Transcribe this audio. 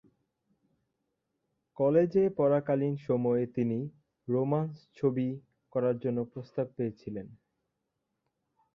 কলেজে পড়াকালীন সময়ে তিনি "রোমান্স ছবি" করার জন্য প্রস্তাব পেয়েছিলেন।